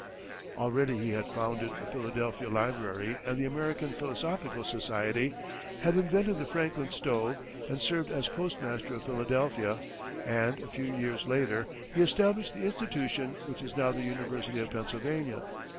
Already he had founded the Philadelphia Library and the American Philosophical Society, had invented the Franklin stove, and served as postmaster of Philadelphia, and a few years later, he established the institution which is now the University of Pennsylvania.